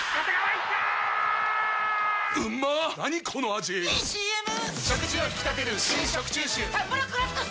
⁉いいＣＭ！！